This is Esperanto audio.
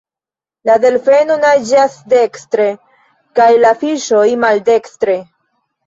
La Delfeno naĝas dekstre, kaj la Fiŝoj maldekstre.